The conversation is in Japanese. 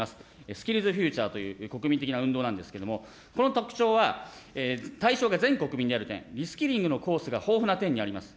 スキルズフューチャーという国民的な運動なんですけれども、この特徴は、対象が全国民である点、リスキリングのコースが豊富な点にあります。